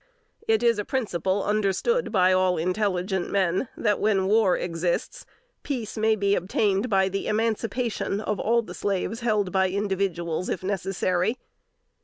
It is a principle understood by all intelligent men, that when war exists, peace may be obtained by the emancipation of all the slaves held by individuals, if necessary.